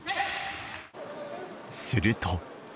すると。